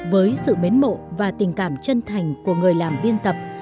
với sự mến mộ và tình cảm chân thành của người làm biên tập